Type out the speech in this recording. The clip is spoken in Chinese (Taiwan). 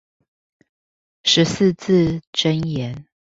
十四字真言